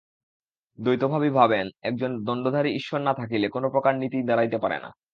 দ্বৈতবাদী ভাবেন, একজন দণ্ডধারী ঈশ্বর না থাকিলে কোন প্রকার নীতিই দাঁড়াইতে পারে না।